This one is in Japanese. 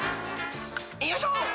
［よいしょ！